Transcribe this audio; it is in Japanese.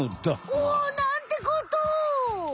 おおなんてことを！